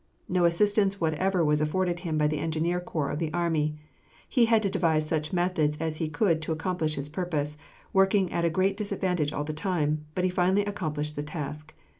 No assistance whatever was afforded him by the Engineer Corps of the Army. He had to devise such methods as he could to accomplish his purpose, working at a great disadvantage all the time, but he finally accomplished the task.